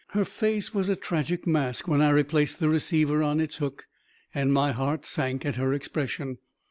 Her face was a tragic mask when I replaced the receiver on its hook, and my heart sank at her expression.